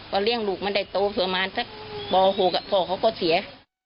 เลี้ยงลูกมันได้โตประมาณสักป๖พ่อเขาก็เสีย